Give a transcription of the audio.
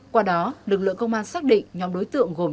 qua đó lực lượng công an xác định nhóm đối tượng gồm